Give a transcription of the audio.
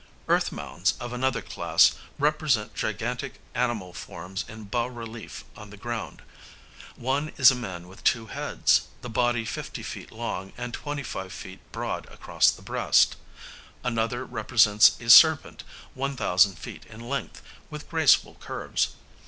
Earth mounds of another class represent gigantic animal forms in bas relief on the ground. One is a man with two heads, the body 50 feet long and 25 feet broad across the breast; another represents a serpent 1000 feet in length, with graceful curves.